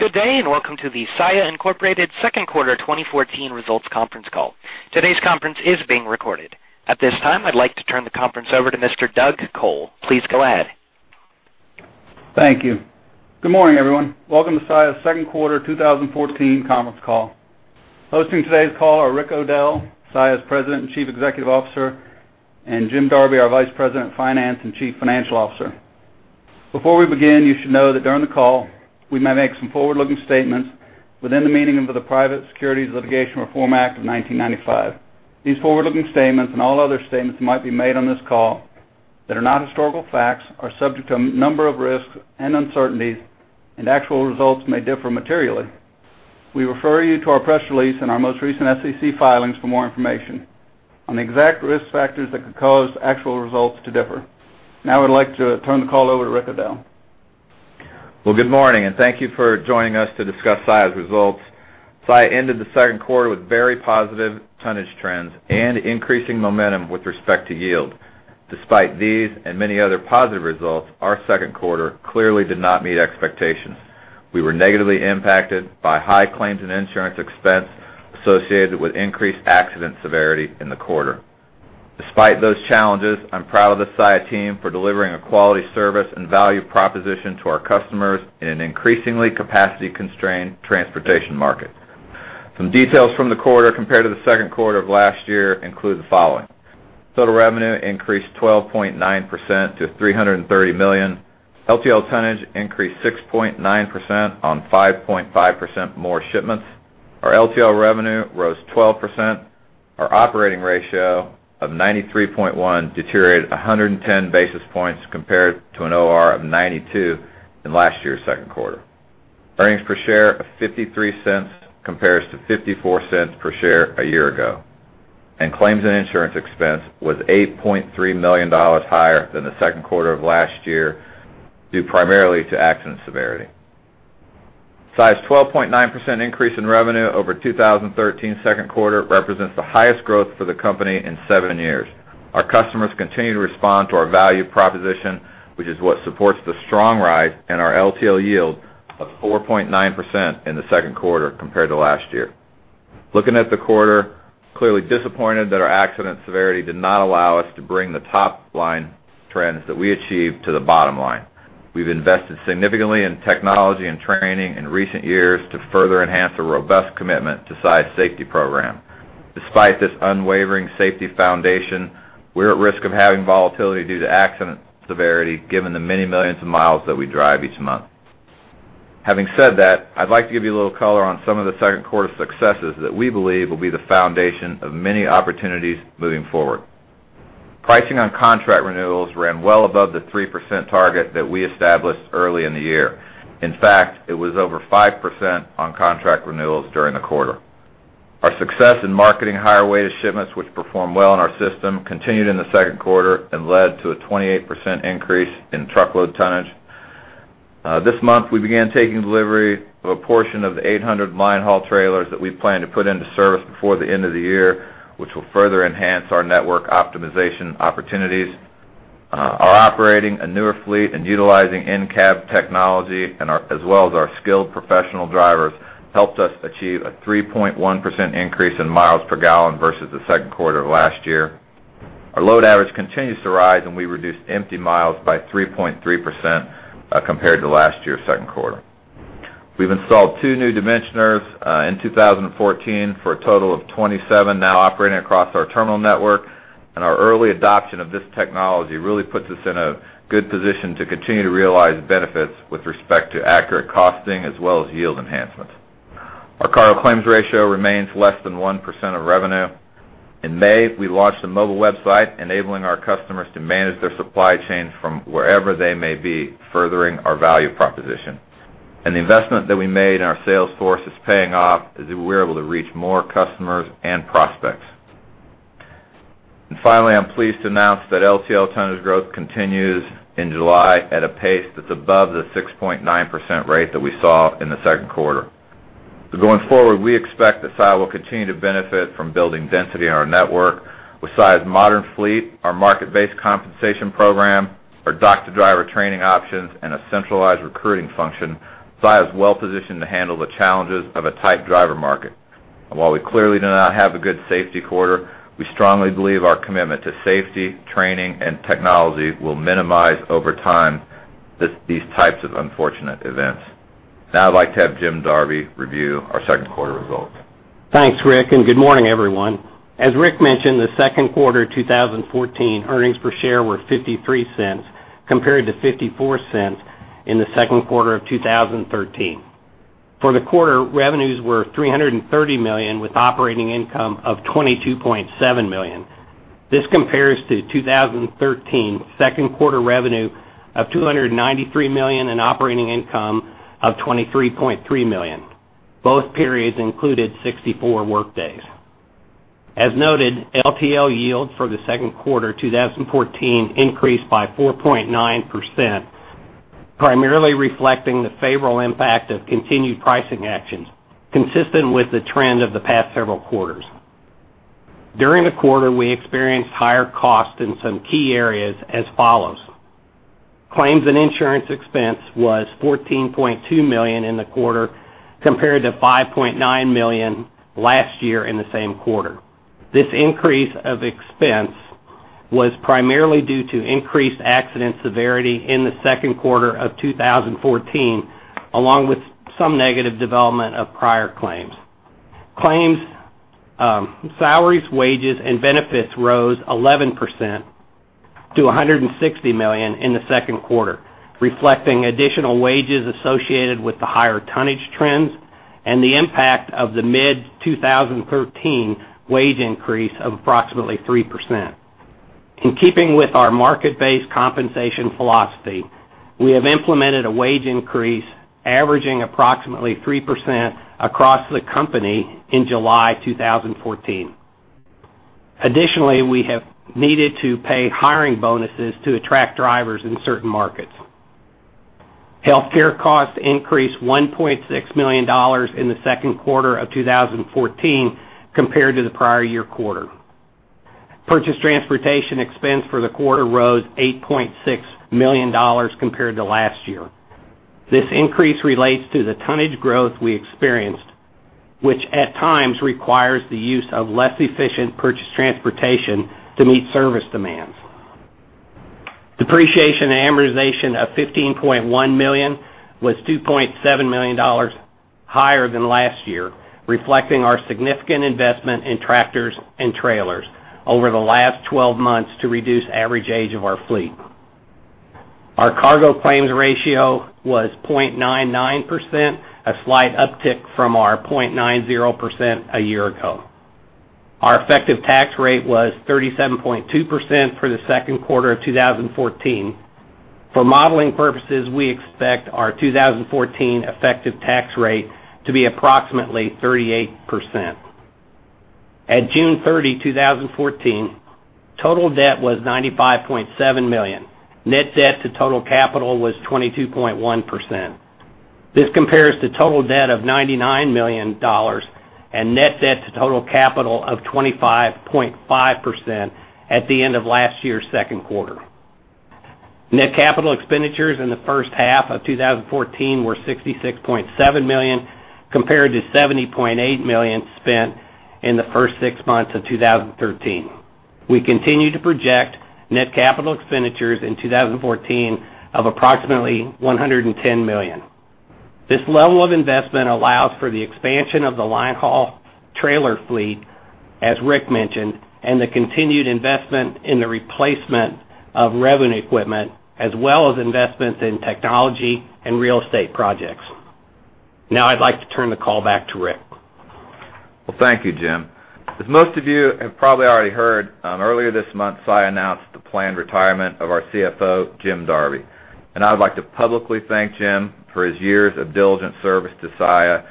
Good day, and welcome to the Saia Incorporated Second Quarter 2014 Results Conference Call. Today's conference is being recorded. At this time, I'd like to turn the conference over to Mr. Doug Col. Please go ahead. Thank you. Good morning, everyone. Welcome to Saia's Second Quarter 2014 Conference Call. Hosting today's call are Rick O'Dell, Saia's President and Chief Executive Officer, and Jim Darby, our Vice President of Finance and Chief Financial Officer. Before we begin, you should know that during the call, we may make some forward-looking statements within the meaning of the Private Securities Litigation Reform Act of 1995. These forward-looking statements, and all other statements that might be made on this call that are not historical facts, are subject to a number of risks and uncertainties, and actual results may differ materially. We refer you to our press release and our most recent SEC filings for more information on the exact risk factors that could cause actual results to differ. Now I would like to turn the call over to Rick O'Dell. Well, good morning, and thank you for joining us to discuss Saia's results. Saia ended the second quarter with very positive tonnage trends and increasing momentum with respect to yield. Despite these and many other positive results, our second quarter clearly did not meet expectations. We were negatively impacted by high claims and insurance expense associated with increased accident severity in the quarter. Despite those challenges, I'm proud of the Saia team for delivering a quality service and value proposition to our customers in an increasingly capacity-constrained transportation market. Some details from the quarter compared to the second quarter of last year include the following: Total revenue increased 12.9% to $330 million. LTL tonnage increased 6.9% on 5.5% more shipments. Our LTL revenue rose 12%. Our operating ratio of 93.1 deteriorated 110 basis points compared to an OR of 92 in last year's second quarter. Earnings per share of $0.53 compares to $0.54 per share a year ago, and claims and insurance expense was $8.3 million higher than the second quarter of last year, due primarily to accident severity. Saia's 12.9% increase in revenue over 2013 second quarter represents the highest growth for the company in seven years. Our customers continue to respond to our value proposition, which is what supports the strong rise in our LTL yield of 4.9% in the second quarter compared to last year. Looking at the quarter, clearly disappointed that our accident severity did not allow us to bring the top-line trends that we achieved to the bottom line. We've invested significantly in technology and training in recent years to further enhance a robust commitment to Saia's safety program. Despite this unwavering safety foundation, we're at risk of having volatility due to accident severity, given the many millions of miles that we drive each month. Having said that, I'd like to give you a little color on some of the second quarter successes that we believe will be the foundation of many opportunities moving forward. Pricing on contract renewals ran well above the 3% target that we established early in the year. In fact, it was over 5% on contract renewals during the quarter. Our success in marketing higher-weighted shipments, which performed well in our system, continued in the second quarter and led to a 28% increase in truckload tonnage. This month, we began taking delivery of a portion of the 800 linehaul trailers that we plan to put into service before the end of the year, which will further enhance our network optimization opportunities. Our operating a newer fleet and utilizing in-cab technology and our as well as our skilled professional drivers helped us achieve a 3.1% increase in miles per gallon versus the second quarter of last year. Our load average continues to rise, and we reduced empty miles by 3.3% compared to last year's second quarter. We've installed 2 new dimensioners in 2014 for a total of 27 now operating across our terminal network, and our early adoption of this technology really puts us in a good position to continue to realize benefits with respect to accurate costing as well as yield enhancements. Our cargo claims ratio remains less than 1% of revenue. In May, we launched a mobile website, enabling our customers to manage their supply chains from wherever they may be, furthering our value proposition. The investment that we made in our sales force is paying off as we're able to reach more customers and prospects. Finally, I'm pleased to announce that LTL tonnage growth continues in July at a pace that's above the 6.9% rate that we saw in the second quarter. Going forward, we expect that Saia will continue to benefit from building density in our network. With Saia's modern fleet, our market-based compensation program, our Dock-to-Driver training options, and a centralized recruiting function, Saia is well positioned to handle the challenges of a tight driver market. While we clearly do not have a good safety quarter, we strongly believe our commitment to safety, training, and technology will minimize, over time, these types of unfortunate events. Now I'd like to have Jim Darby review our second quarter results. Thanks, Rick, and good morning, everyone. As Rick mentioned, the second quarter of 2014, earnings per share were $0.53, compared to $0.54 in the second quarter of 2013. For the quarter, revenues were $330 million, with operating income of $22.7 million. This compares to 2013 second quarter revenue of $293 million and operating income of $23.3 million. Both periods included 64 workdays. As noted, LTL yields for the second quarter of 2014 increased by 4.9%, primarily reflecting the favorable impact of continued pricing actions, consistent with the trend of the past several quarters. ...During the quarter, we experienced higher costs in some key areas as follows: claims and insurance expense was $14.2 million in the quarter, compared to $5.9 million last year in the same quarter. This increase of expense was primarily due to increased accident severity in the second quarter of 2014, along with some negative development of prior claims. Claims, Salaries, wages, and benefits rose 11% to $160 million in the second quarter, reflecting additional wages associated with the higher tonnage trends and the impact of the mid-2013 wage increase of approximately 3%. In keeping with our market-based compensation philosophy, we have implemented a wage increase averaging approximately 3% across the company in July 2014. Additionally, we have needed to pay hiring bonuses to attract drivers in certain markets. Healthcare costs increased $1.6 million in the second quarter of 2014 compared to the prior year quarter. Purchase transportation expense for the quarter rose $8.6 million compared to last year. This increase relates to the tonnage growth we experienced, which at times requires the use of less efficient purchased transportation to meet service demands. Depreciation and amortization of $15.1 million was $2.7 million higher than last year, reflecting our significant investment in tractors and trailers over the last twelve months to reduce average age of our fleet. Our cargo claims ratio was 0.99%, a slight uptick from our 0.90% a year ago. Our effective tax rate was 37.2% for the second quarter of 2014. For modeling purposes, we expect our 2014 effective tax rate to be approximately 38%. At June 30th, 2014, total debt was $95.7 million. Net debt to total capital was 22.1%. This compares to total debt of $99 million and net debt to total capital of 25.5% at the end of last year's second quarter. Net capital expenditures in the first half of 2014 were $66.7 million, compared to $70.8 million spent in the first six months of 2013. We continue to project net capital expenditures in 2014 of approximately $110 million. This level of investment allows for the expansion of the line haul trailer fleet, as Rick mentioned, and the continued investment in the replacement of revenue equipment, as well as investments in technology and real estate projects. Now, I'd like to turn the call back to Rick. Well, thank you, Jim. As most of you have probably already heard, earlier this month, Saia announced the planned retirement of our CFO, Jim Darby, and I would like to publicly thank Jim for his years of diligent service to Saia.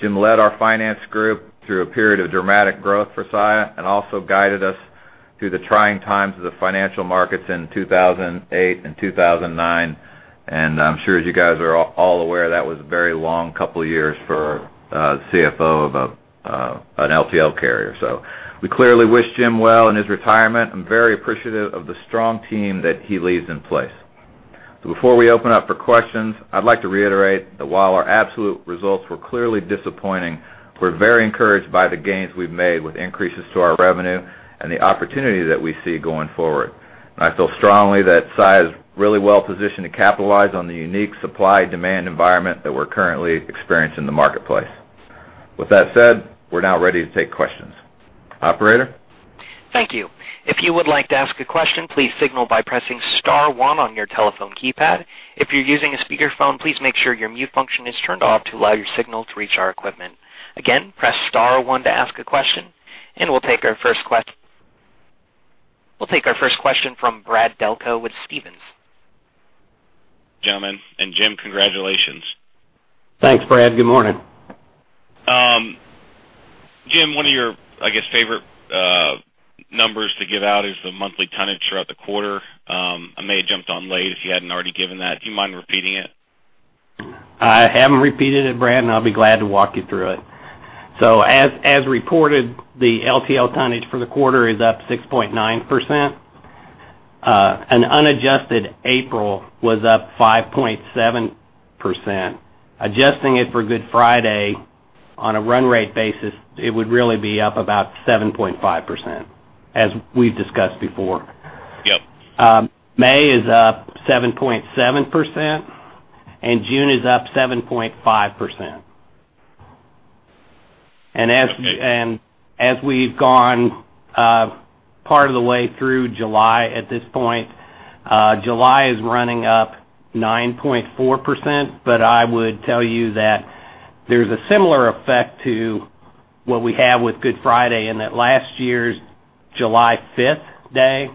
Jim led our finance group through a period of dramatic growth for Saia, and also guided us through the trying times of the financial markets in 2008 and 2009. And I'm sure, as you guys are all aware, that was a very long couple of years for the CFO of an LTL carrier. So we clearly wish Jim well in his retirement. I'm very appreciative of the strong team that he leaves in place. Before we open up for questions, I'd like to reiterate that while our absolute results were clearly disappointing, we're very encouraged by the gains we've made with increases to our revenue and the opportunity that we see going forward. I feel strongly that Saia is really well positioned to capitalize on the unique supply-demand environment that we're currently experiencing in the marketplace. With that said, we're now ready to take questions. Operator? Thank you. If you would like to ask a question, please signal by pressing star one on your telephone keypad. If you're using a speakerphone, please make sure your mute function is turned off to allow your signal to reach our equipment. Again, press star one to ask a question, and we'll take our first question from Brad Delco with Stephens. Gentlemen, and Jim, congratulations. Thanks, Brad. Good morning. Jim, one of your, I guess, favorite numbers to give out is the monthly tonnage throughout the quarter. I may have jumped on late if you hadn't already given that. Do you mind repeating it? I haven't repeated it, Brad, and I'll be glad to walk you through it. So as, as reported, the LTL tonnage for the quarter is up 6.9%. An unadjusted April was up 5.7%. Adjusting it for Good Friday, on a run rate basis, it would really be up about 7.5%, as we've discussed before. Yep. May is up 7.7%, and June is up 7.5%. And as, and as we've gone, part of the way through July at this point, July is running up 9.4%, but I would tell you that there's a similar effect to what we have with Good Friday, and that last year's July fifth day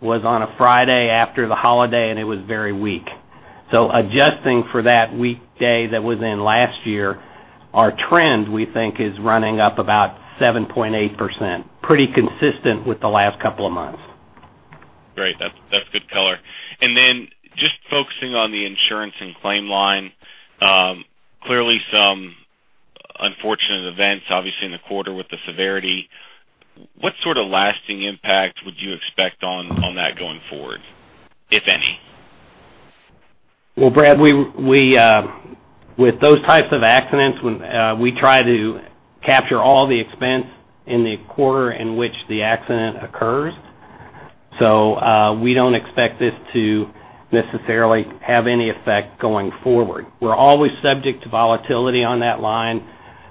was on a Friday after the holiday, and it was very weak. So adjusting for that weekday that was in last year, our trend, we think, is running up about 7.8%, pretty consistent with the last couple of months.... Great. That's, that's good color. And then just focusing on the insurance and claim line, clearly, some unfortunate events, obviously, in the quarter with the severity. What sort of lasting impact would you expect on, on that going forward, if any? Well, Brad, with those types of accidents, when we try to capture all the expense in the quarter in which the accident occurs. So, we don't expect this to necessarily have any effect going forward. We're always subject to volatility on that line,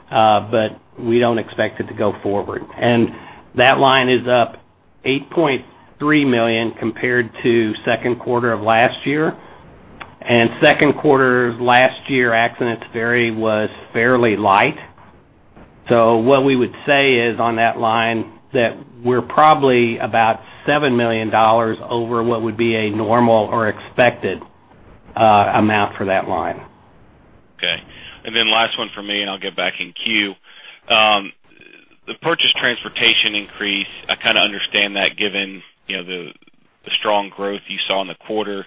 but we don't expect it to go forward. And that line is up $8.3 million compared to second quarter of last year. And second quarter last year, accidents vary, was fairly light. So what we would say is, on that line, that we're probably about $7 million over what would be a normal or expected amount for that line. Okay. And then last one for me, and I'll get back in queue. The purchase transportation increase, I kind of understand that, given, you know, the strong growth you saw in the quarter.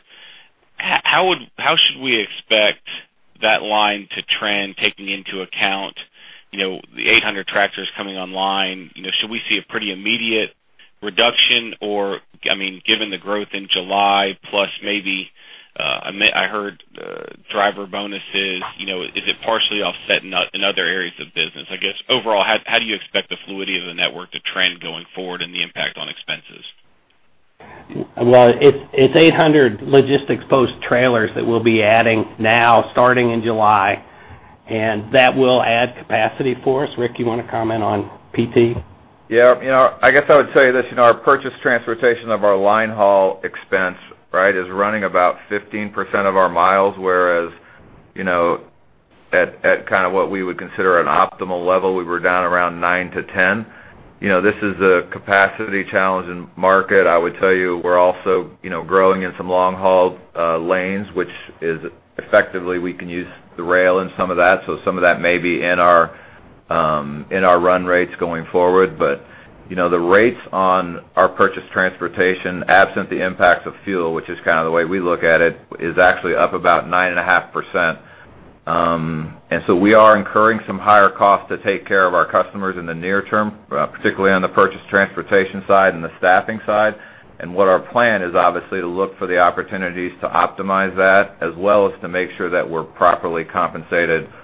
How would -- how should we expect that line to trend, taking into account, you know, the 800 tractors coming online? You know, should we see a pretty immediate reduction? Or, I mean, given the growth in July, plus maybe, I heard, driver bonuses, you know, is it partially offset in other areas of business? I guess, overall, how do you expect the fluidity of the network to trend going forward and the impact on expenses? Well, it's 800 logistics post trailers that we'll be adding now, starting in July, and that will add capacity for us. Rick, you want to comment on PT? Yeah. You know, I guess I would tell you this, you know, our purchase transportation of our line haul expense, right, is running about 15% of our miles, whereas, you know, at, at at kind of what we would consider an optimal level, we were down around 9-10. You know, this is a capacity challenge in market. I would tell you, we're also, you know, growing in some long-haul lanes, which is effectively, we can use the rail in some of that. So some of that may be in our, in our run rates going forward. But, you know, the rates on our purchase transportation, absent the impact of fuel, which is kind of the way we look at it, is actually up about 9.5%. And so we are incurring some higher costs to take care of our customers in the near term, particularly on the purchase transportation side and the staffing side. And what our plan is, obviously, to look for the opportunities to optimize that, as well as to make sure that we're properly compensated for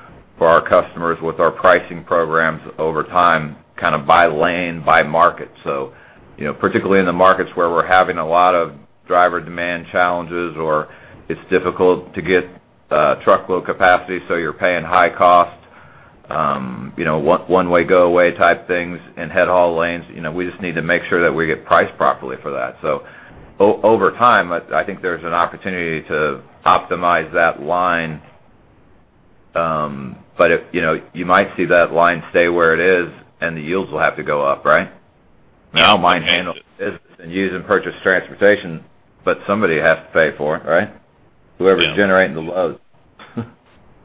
our customers with our pricing programs over time, kind of by lane, by market. So, you know, particularly in the markets where we're having a lot of driver demand challenges, or it's difficult to get truckload capacity, so you're paying high cost, you know, one-way, go-away type things and head haul lanes, you know, we just need to make sure that we get priced properly for that. So over time, I think there's an opportunity to optimize that line, but if, you know, you might see that line stay where it is, and the yields will have to go up, right? Yeah. Now, we handle and use purchase transportation, but somebody has to pay for it, right? Yeah. Whoever's generating the load.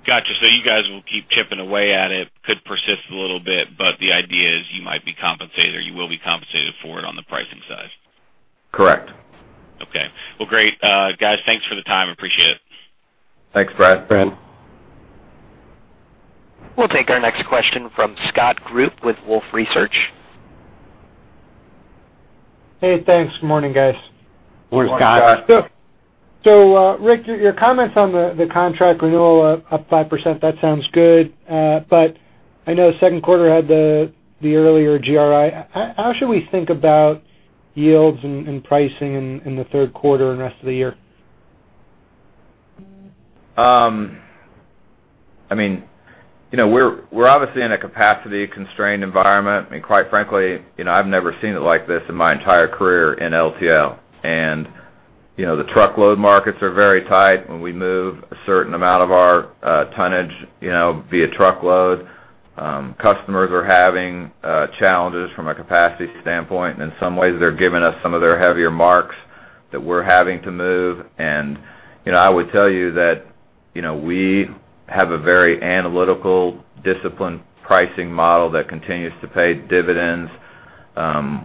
Got you. So you guys will keep chipping away at it. Could persist a little bit, but the idea is you might be compensated, or you will be compensated for it on the pricing side. Correct. Okay. Well, great, guys. Thanks for the time. Appreciate it. Thanks, Brad. Thanks. We'll take our next question from Scott Group with Wolfe Research. Hey, thanks. Good morning, guys. Morning, Scott. Morning, Scott. So, Rick, your comments on the contract renewal up 5%, that sounds good. But I know second quarter had the the earlier GRI. How should we think about yields and pricing in the third quarter and rest of the year? I mean, you know, we're obviously in a capacity-constrained environment. I mean, quite frankly, you know, I've never seen it like this in my entire career in LTL. And, you know, the truckload markets are very tight when we move a certain amount of our tonnage, you know, via truckload. Customers are having challenges from a capacity standpoint. In some ways, they're giving us some of their heavier marks that we're having to move. And, you know, I would tell you that, you know, we have a very analytical, disciplined pricing model that continues to pay dividends.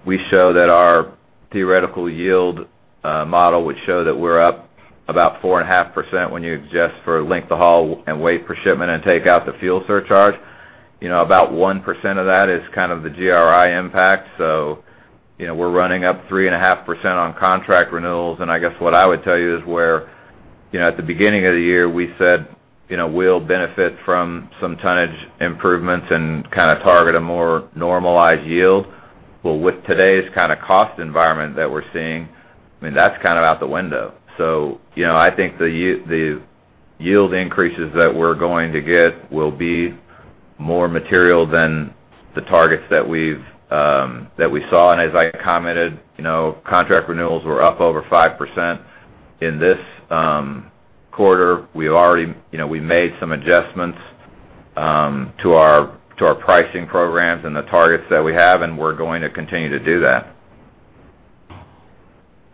We show that our theoretical yield model, which show that we're up about 4.5% when you adjust for length of haul and weight per shipment and take out the fuel surcharge. You know, about 1% of that is kind of the GRI impact. So, you know, we're running up 3.5% on contract renewals, and I guess what I would tell you is where, you know, at the beginning of the year, we said, you know, we'll benefit from some tonnage improvements and kind of target a more normalized yield. Well, with today's kind of cost environment that we're seeing, I mean, that's kind of out the window. So, you know, I think the yield increases that we're going to get will be more material than the targets that we've that we saw. And as I commented, you know, contract renewals were up over 5%. In this quarter, we've already... You know, we made some adjustments to our to our pricing programs and the targets that we have, and we're going to continue to do that.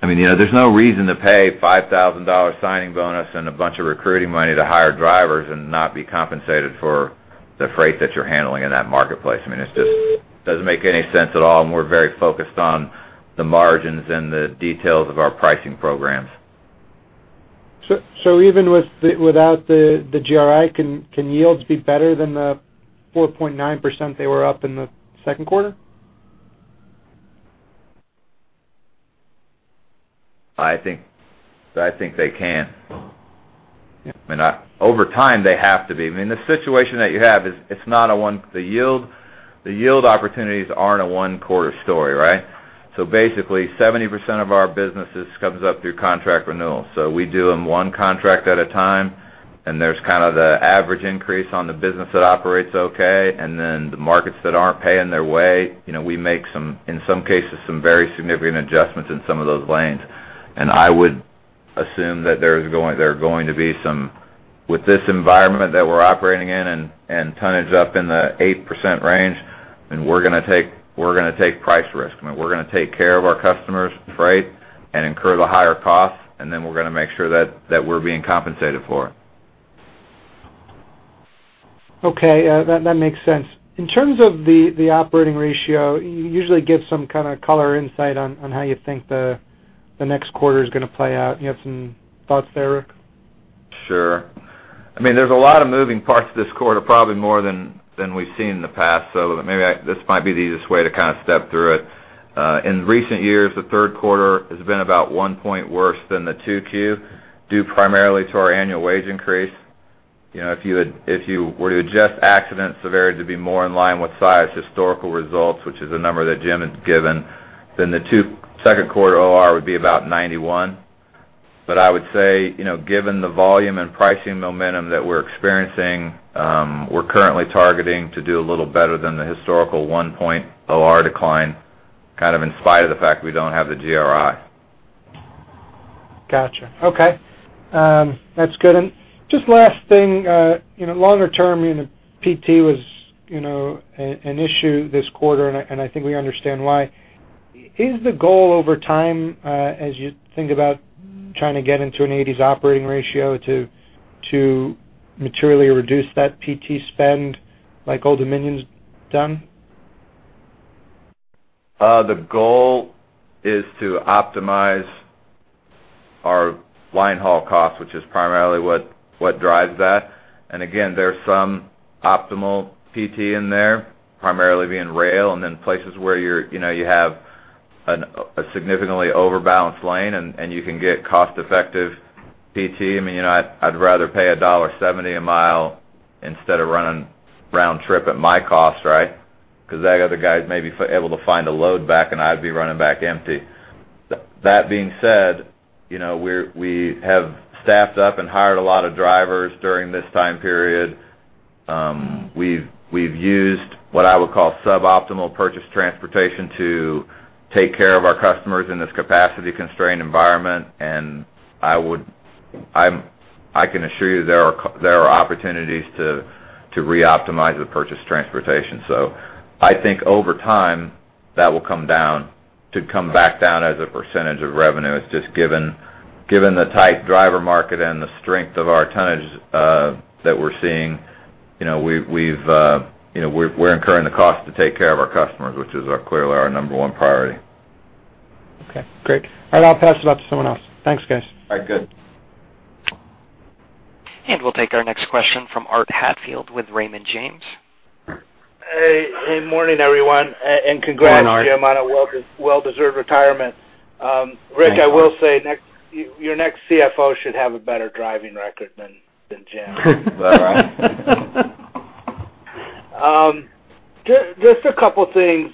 I mean, you know, there's no reason to pay $5,000 signing bonus and a bunch of recruiting money to hire drivers and not be compensated for the freight that you're handling in that marketplace. I mean, it just doesn't make any sense at all, and we're very focused on the margins and the details of our pricing programs. So even without the GRI, can yields be better than the 4.9% they were up in the second quarter? I think, I think they can. I mean, over time, they have to be. I mean, the situation that you have is it's not a one- the yield, the yield opportunities aren't a one-quarter story, right? So basically, 70% of our business comes up through contract renewal. So we do them one contract at a time, and there's kind of the average increase on the business that operates okay, and then the markets that aren't paying their way, you know, we make some, in some cases, some very significant adjustments in some of those lanes. And I would assume that there are going to be some. With this environment that we're operating in, and tonnage up in the 8% range, and we're gonna take, we're gonna take price risk. I mean, we're going to take care of our customers' freight and incur the higher costs, and then we're going to make sure that we're being compensated for it. Okay, that makes sense. In terms of the operating ratio, you usually give some kind of color insight on how you think the next quarter is going to play out. You have some thoughts there, Rick? Sure. I mean, there's a lot of moving parts this quarter, probably more than than we've seen in the past. So maybe this might be the easiest way to kind of step through it. In recent years, the third quarter has been about 1 point worse than the 2Q, due primarily to our annual wage increase. You know, if you were to adjust accident severity to be more in line with size, historical results, which is a number that Jim has given, then the second quarter OR would be about 91. But I would say, you know, given the volume and pricing momentum that we're experiencing, we're currently targeting to do a little better than the historical 1 point OR decline, kind of in spite of the fact we don't have the GRI. Gotcha. Okay. That's good. And just last thing, you know, longer term, you know, PT was, you know, an issue this quarter, and I think we understand why. Is the goal over time, as you think about trying to get into an eighties operating ratio, to materially reduce that PT spend, like Old Dominion's done? The goal is to optimize our line haul cost, which is primarily what drives that. And again, there's some optimal PT in there, primarily being rail, and then places where you're, you know, you have a significantly overbalanced lane, and you can get cost-effective PT. I mean, you know, I'd rather pay $1.70 a mile instead of running round trip at my cost, right? Because that other guy may be able to find a load back, and I'd be running back empty. That being said, you know, we have staffed up and hired a lot of drivers during this time period. We've we've used what I would call sub-optimal purchase transportation to take care of our customers in this capacity-constrained environment, and I would I can assure you there are opportunities to reoptimize the purchase transportation. So I think over time, that will come down to come back down as a percentage of revenue. Just given given the tight driver market and the strength of our tonnage that we're seeing, you know, we're we're incurring the cost to take care of our customers, which is clearly our number one priority. Okay, great. I'll pass it off to someone else. Thanks, guys. All right, good. We'll take our next question from Art Hatfield with Raymond James. Hey, hey. Morning, everyone, and congrats. Morning, Art. Jim, on a well-deserved retirement. Rick, I will say, next, your next CFO should have a better driving record than Jim. Is that right? Just a couple of things,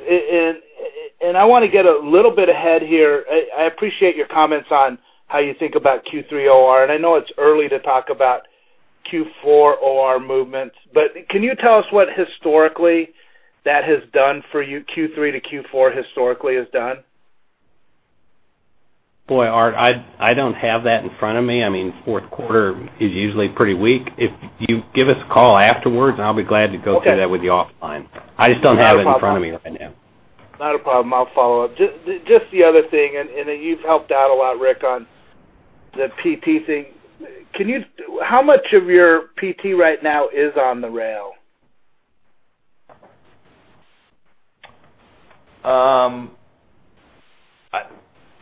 and I wanna get a little bit ahead here. I appreciate your comments on how you think about Q3 OR, and I know it's early to talk about Q4 OR movements, but can you tell us what historically that has done for you, Q3 to Q4 historically has done? Boy, Art, I don't have that in front of me. I mean, fourth quarter is usually pretty weak. If you give us a call afterwards, I'll be glad to go through that with you offline. Okay. I just don't have it in front of me right now. Not a problem. I'll follow up. Just the other thing, and you've helped out a lot, Rick, on the PT thing. Can you... How much of your PT right now is on the rail?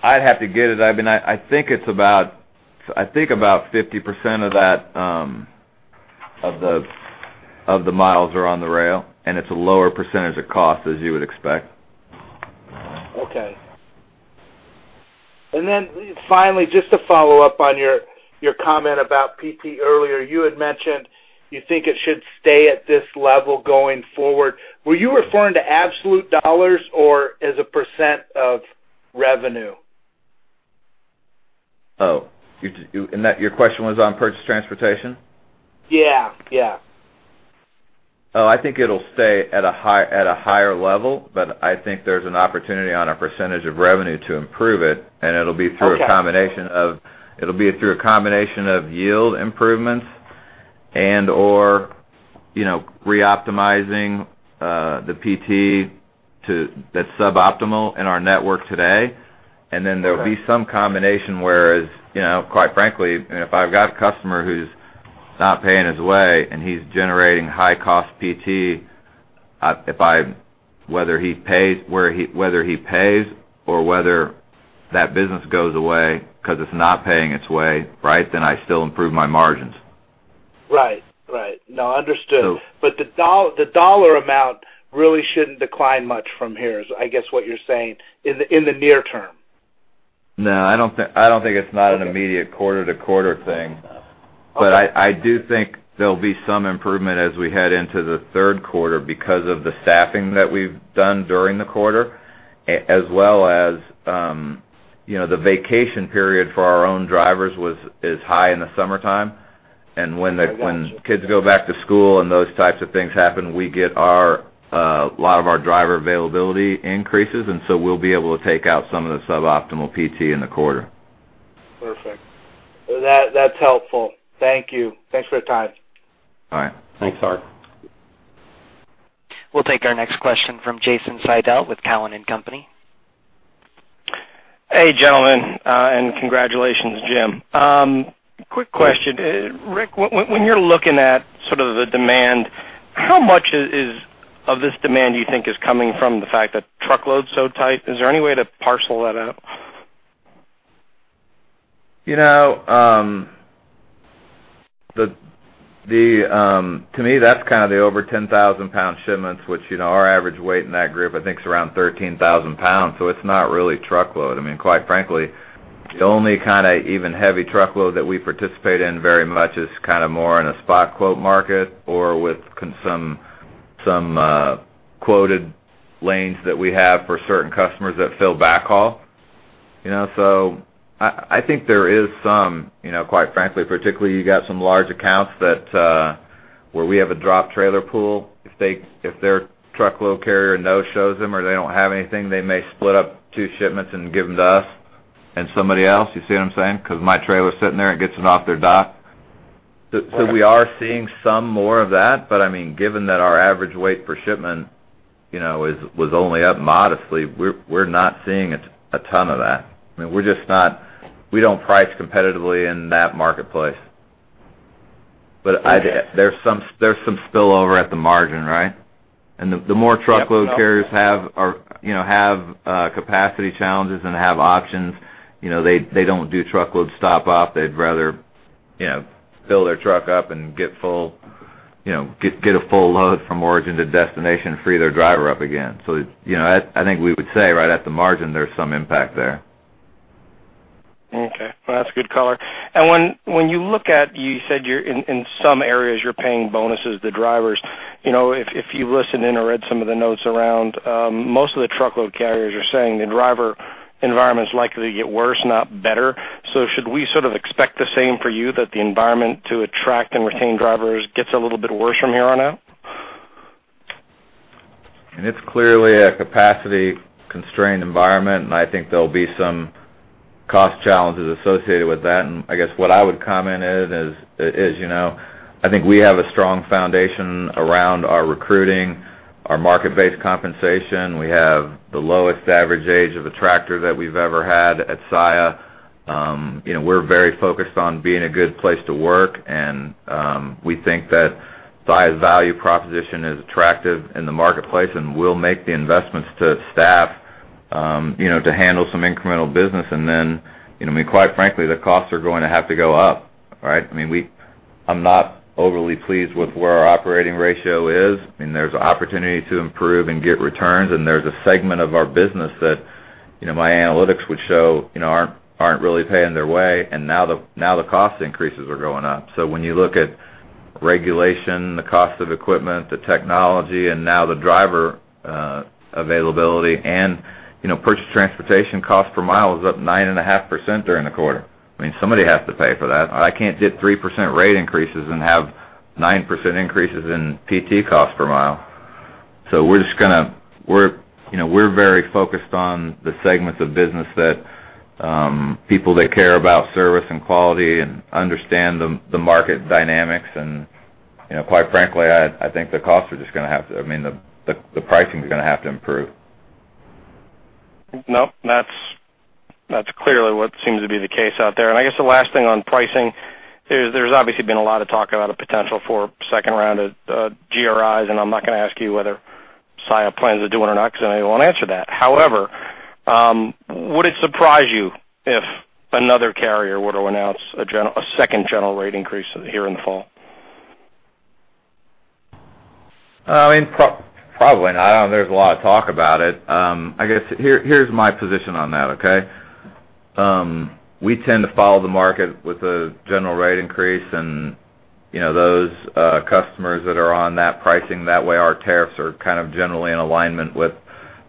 I'd have to get it. I mean, I think it's about, I think about 50% of that, of the, of the miles are on the rail, and it's a lower percentage of cost, as you would expect. Okay. And then finally, just to follow up on your comment about PT earlier, you had mentioned you think it should stay at this level going forward. Were you referring to absolute dollars or as a % of revenue? Oh, you and that, your question was on purchase transportation? Yeah, yeah. Oh, I think it'll stay at a higher level, but I think there's an opportunity on our percentage of revenue to improve it, and it'll be- Okay It'll be through a combination of yield improvements and/or, you know, reoptimizing the PT that's suboptimal in our network today. Okay. And then there will be some combination, whereas, you know, quite frankly, and if I've got a customer who's not paying his way and he's generating high-cost PT, if I whether he pays whether he pays or whether that business goes away because it's not paying its way, right, then I still improve my margins. Right. Right. Now, understood. But the dollar dollar amount really shouldn't decline much from here, is, I guess, what you're saying, in the near term? No, I don't think it's not an immediate quarter-to-quarter thing. But I do think there'll be some improvement as we head into the third quarter because of the staffing that we've done during the quarter, as well as, you know, the vacation period for our own drivers is high in the summertime. I got you. And when kids go back to school and those types of things happen, we get a lot of our driver availability increases, and so we'll be able to take out some of the suboptimal PT in the quarter. Perfect. Well, that, that's helpful. Thank you. Thanks for your time. All right. Thanks, Art. We'll take our next question from Jason Seidl with Cowen and Company. Hey, gentlemen, and congratulations, Jim. Quick question: Rick, when you're looking at sort of the demand, how much of this demand you think is coming from the fact that truckload's so tight? Is there any way to parcel that out? You know, to me, that's kind of the over 10,000-pound shipments, which, you know, our average weight in that group, I think, is around 13,000 pounds, so it's not really truckload. I mean, quite frankly, the only kind of even heavy truckload that we participate in very much is kind of more in a spot quote market or with some some quoted lanes that we have for certain customers that fill backhaul. You know, so I think there is some, you know, quite frankly, particularly, you got some large accounts that where we have a drop trailer pool. If they, if their truckload carrier no-shows them or they don't have anything, they may split up two shipments and give them to us and somebody else. You see what I'm saying? Because my trailer's sitting there and gets it off their dock. So we are seeing some more of that, but, I mean, given that our average weight per shipment, you know, was only up modestly, we're not seeing a ton of that. I mean, we're just not. We don't price competitively in that marketplace. But I- Yeah. There's some there's some spillover at the margin, right? Yep. And the more truckload carriers have, you know, have capacity challenges and have options, you know, they don't do truckload stop-off. They'd rather, you know, fill their truck up and get full, you know, get a full load from origin to destination, free their driver up again. So, you know, I think we would say right at the margin, there's some impact there. Okay. Well, that's a good color. And when you look at... You said you're in some areas, you're paying bonuses to drivers. You know, if you listened in or read some of the notes around, most of the truckload carriers are saying the driver environment is likely to get worse, not better. So should we sort of expect the same for you, that the environment to attract and retain drivers gets a little bit worse from here on out? I mean, it's clearly a capacity-constrained environment, and I think there'll be some cost challenges associated with that. I guess what I would comment is, you know, I think we have a strong foundation around our recruiting, our market-based compensation. We have the lowest average age of a tractor that we've ever had at Saia. You know, we're very focused on being a good place to work, and we think that Saia's value proposition is attractive in the marketplace, and we'll make the investments to staff, you know, to handle some incremental business. And then, you know, I mean, quite frankly, the costs are going to have to go up, right? I mean, I'm not overly pleased with where our operating ratio is. I mean, there's an opportunity to improve and get returns, and there's a segment of our business that, you know, my analytics would show, you know, aren't, aren't really paying their way, and now the, now the cost increases are going up. So when you look at regulation, the cost of equipment, the technology, and now the driver availability and, you know, purchase transportation cost per mile is up 9.5% during the quarter. I mean, somebody has to pay for that. I can't get 3% rate increases and have 9% increases in PT cost per mile. So we're just gonna. We're, you know, we're very focused on the segments of business that people that care about service and quality and understand the, the market dynamics. And you know, quite frankly, I think the costs are just gonna have to, I mean, the pricing is gonna have to improve. Nope, that's that's clearly what seems to be the case out there. And I guess the last thing on pricing, there's obviously been a lot of talk about a potential for second round of GRIs, and I'm not going to ask you whether Saia plans to do it or not, because I know you won't answer that. However, would it surprise you if another carrier were to announce a second general rate increase here in the fall? I mean, probably not. I know there's a lot of talk about it. I guess, here, here's my position on that, okay? We tend to follow the market with a general rate increase and, you know, those customers that are on that pricing. That way, our tariffs are kind of generally in alignment with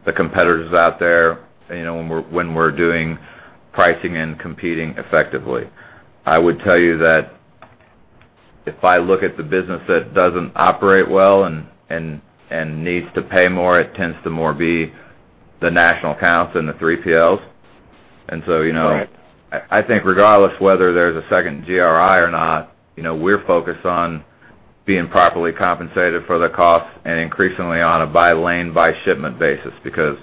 the competitors out there, you know, when we're doing pricing and competing effectively. I would tell you that if I look at the business that doesn't operate well and needs to pay more, it tends to more be the national accounts than the 3PLs. Right. And so, you know, I think regardless of whether there's a second GRI or not, you know, we're focused on being properly compensated for the cost and increasingly on a by-lane, by-shipment basis, because,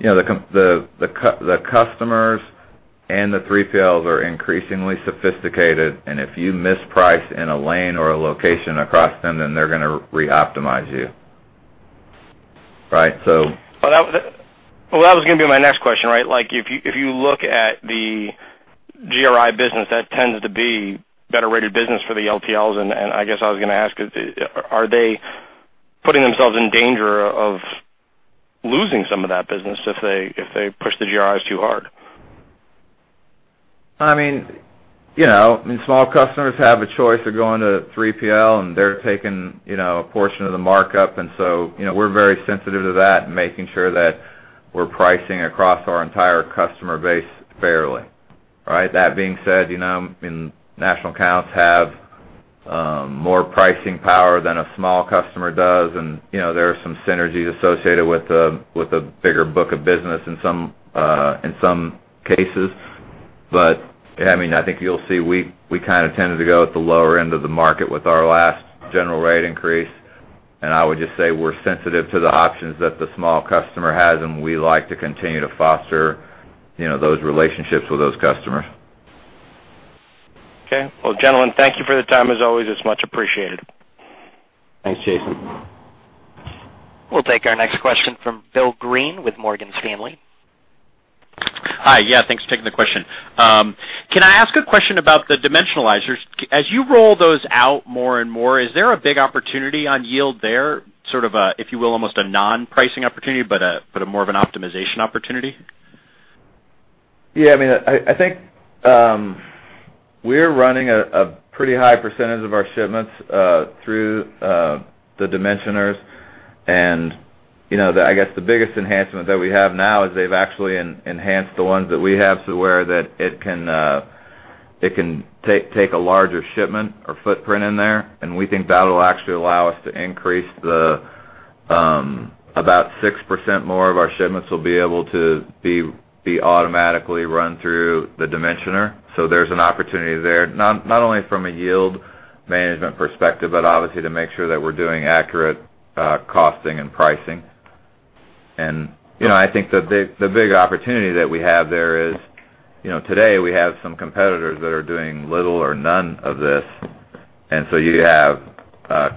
you know, the customers and the 3PLs are increasingly sophisticated, and if you misprice in a lane or a location across them, then they're gonna reoptimize you. Right? So- Well, that was, well, that was going to be my next question, right? Like, if you, if you look at the GRI business, that tends to be better rated business for the LTLs, and, and I guess I was gonna ask, is, are they putting themselves in danger of losing some of that business if they, if they push the GRIs too hard? I mean, you know, small customers have a choice of going to 3PL, and they're taking, you know, a portion of the markup. And so, you know, we're very sensitive to that and making sure that we're pricing across our entire customer base fairly, right? That being said, you know, I mean, national accounts have more pricing power than a small customer does, and, you know, there are some synergies associated with a bigger book of business in some cases. But, yeah I mean, I think you'll see, we kind of tended to go at the lower end of the market with our last general rate increase, and I would just say we're sensitive to the options that the small customer has, and we like to continue to foster, you know, those relationships with those customers. Okay. Well, gentlemen, thank you for the time. As always, it's much appreciated. Thanks, Jason. We'll take our next question from Bill Greene with Morgan Stanley. Hi. Yeah, thanks for taking the question. Can I ask a question about the dimensioners? As you roll those out more and more, is there a big opportunity on yield there, sort of a, if you will, almost a non-pricing opportunity, but a, but a more of an optimization opportunity? Yeah, I mean, I think we're running a pretty high percentage of our shipments through the dimensioners. And, you know, I guess the biggest enhancement that we have now is they've actually enhanced the ones that we have to where it can take a larger shipment or footprint in there, and we think that'll actually allow us to increase about 6% more of our shipments will be able to be automatically run through the dimensioner. So there's an opportunity there, not only from a yield management perspective, but obviously to make sure that we're doing accurate costing and pricing. And, you know, I think the big opportunity that we have there is, you know, today, we have some competitors that are doing little or none of this. And so you have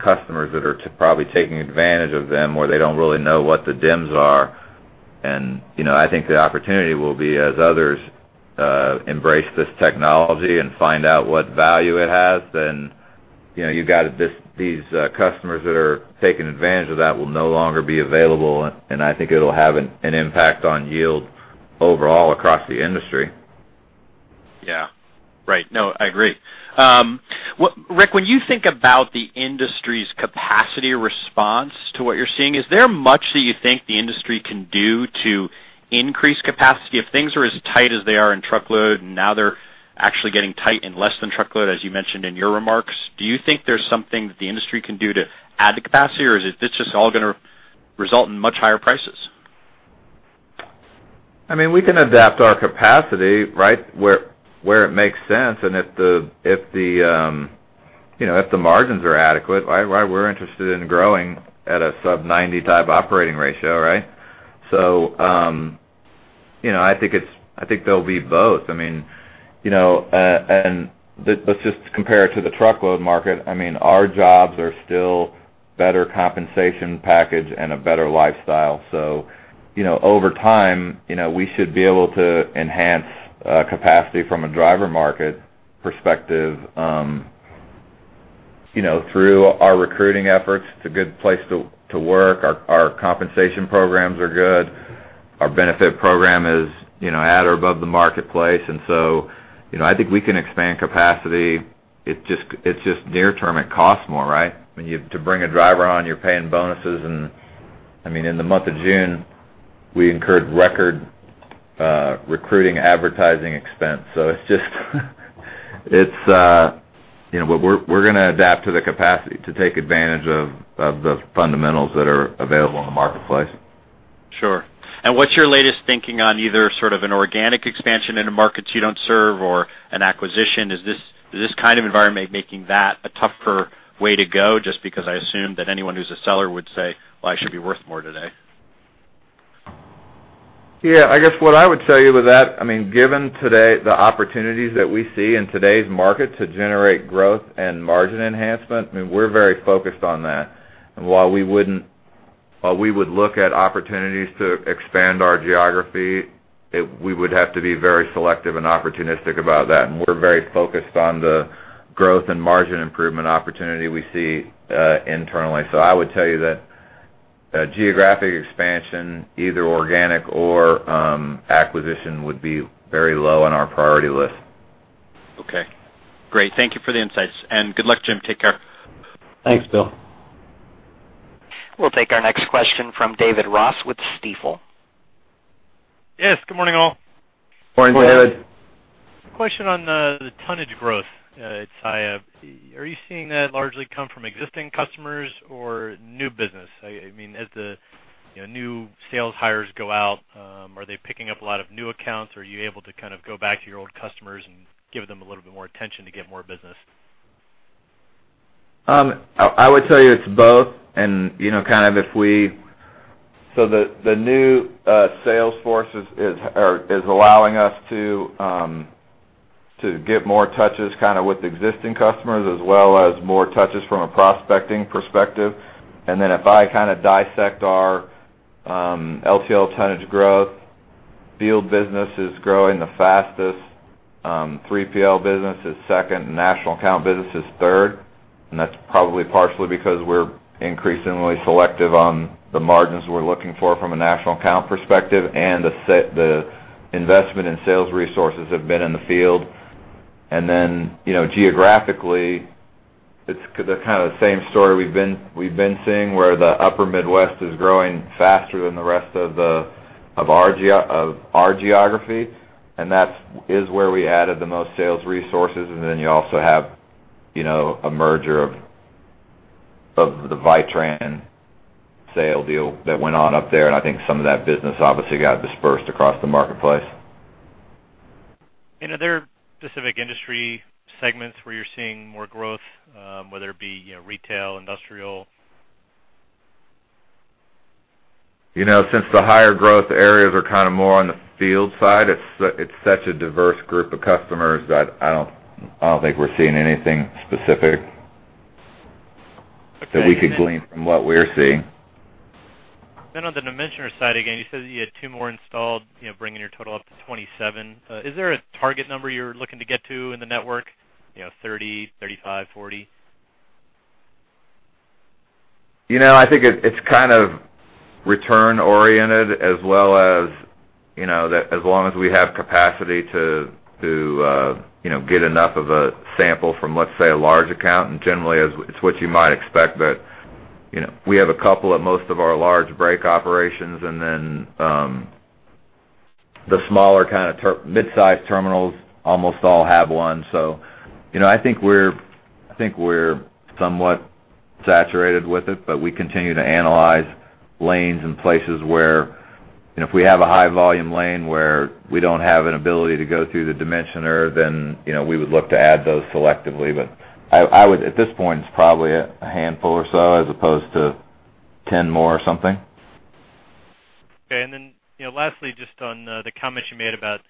customers that are probably taking advantage of them, where they don't really know what the dims are. And, you know, I think the opportunity will be, as others embrace this technology and find out what value it has, then, you know, you got these customers that are taking advantage of that will no longer be available, and I think it'll have an impact on yield overall across the industry. Yeah. Right. No, I agree. What, Rick, when you think about the industry's capacity response to what you're seeing, is there much that you think the industry can do to increase capacity? If things are as tight as they are in truckload, and now they're actually getting tight in less than truckload, as you mentioned in your remarks, do you think there's something that the industry can do to add the capacity, or is it this just all gonna result in much higher prices? I mean, we can adapt our capacity, right, where it makes sense, and if the, you know, if the margins are adequate, right, right, we're interested in growing at a sub-90-type operating ratio, right? So, you know, I think it's—I think there'll be both. I mean, you know, and let's just compare it to the truckload market. I mean, our jobs are still better compensation package and a better lifestyle. So, you know, over time, you know, we should be able to enhance capacity from a driver market perspective, you know, through our recruiting efforts. It's a good place to work. Our compensation programs are good. Our benefit program is, you know, at or above the marketplace. And so, you know, I think we can expand capacity. It just, it's just near-term, it costs more, right? When you to bring a driver on, you're paying bonuses. And I mean, in the month of June, we incurred record recruiting, advertising expense. So it's just, it's... You know, we're, we're gonna adapt to the capacity to take advantage of, of the fundamentals that are available in the marketplace. Sure. And what's your latest thinking on either sort of an organic expansion in the markets you don't serve or an acquisition? Is this, is this kind of environment making that a tougher way to go? Just because I assume that anyone who's a seller would say, "Well, I should be worth more today. Yeah, I guess what I would tell you with that, I mean, given today, the opportunities that we see in today's market to generate growth and margin enhancement, I mean, we're very focused on that. And while we wouldn't—while we would look at opportunities to expand our geography, we would have to be very selective and opportunistic about that, and we're very focused on the growth and margin improvement opportunity we see internally. So I would tell you that geographic expansion, either organic or acquisition, would be very low on our priority list. Okay, great. Thank you for the insights, and good luck, Jim. Take care. Thanks, Bill. We'll take our next question from David Ross with Stifel. Yes, good morning, all. Morning, David. Morning. Question on the tonnage growth at Saia. Are you seeing that largely come from existing customers or new business? I mean, as you know, new sales hires go out, are they picking up a lot of new accounts, or are you able to kind of go back to your old customers and give them a little bit more attention to get more business?... I would tell you it's both, and, you know, kind of if we-- so the new sales force is allowing us to get more touches kind of with existing customers, as well as more touches from a prospecting perspective. And then if I kind of dissect our LTL tonnage growth, field business is growing the fastest, 3PL business is second, and national account business is third. And that's probably partially because we're increasingly selective on the margins we're looking for from a national account perspective, and the investment in sales resources have been in the field. And then, you know, geographically, it's the kind of the same story we've been, we've been seeing, where the Upper Midwest is growing faster than the rest of the, of our geo- of our geography, and that's where we added the most sales resources. And then you also have, you know, a merger of, of the Vitran sale deal that went on up there, and I think some of that business obviously got dispersed across the marketplace. Are there specific industry segments where you're seeing more growth, whether it be, you know, retail, industrial? You know, since the higher growth areas are kind of more on the field side, it's such a diverse group of customers that I don't, I don't think we're seeing anything specific- Okay, and then- that we can glean from what we're seeing. Then on the dimensioner side, again, you said that you had two more installed, you know, bringing your total up to 27. Is there a target number you're looking to get to in the network? You know, 30, 35, 40? You know, I think it's kind of return oriented as well as, you know, that as long as we have capacity to, you know, get enough of a sample from, let's say, a large account, and generally, it's what you might expect, that, you know, we have a couple at most of our large break operations, and then, the smaller kind of mid-sized terminals almost all have one. So, you know, I think we're think we're somewhat saturated with it, but we continue to analyze lanes and places where, and if we have a high volume lane, where we don't have an ability to go through the dimensioner, then, you know, we would look to add those selectively. But I would, at this point, it's probably a handful or so, as opposed to 10 more or something. Okay. And then, you know, lastly, just on the comments you made about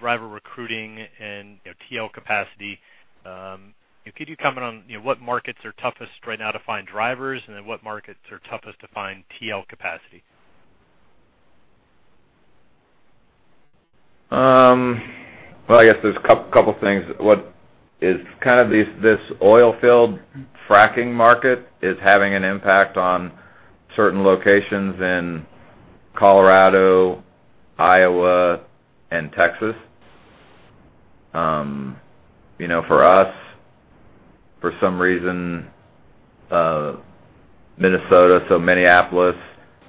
driver recruiting and, you know, TL capacity, could you comment on, you know, what markets are toughest right now to find drivers? And then, what markets are toughest to find TL capacity? Well, I guess there's a couple things. What is kind of these, this oil field fracking market is having an impact on certain locations in Colorado, Iowa, and Texas. You know, for us, for some reason, Minnesota, so Minneapolis,